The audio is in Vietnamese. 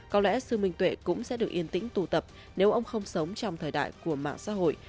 có lẽ sư minh tuệ cũng sẽ được yên tĩnh tụ tập nếu ông không sống trong thời đại của mạng xã hội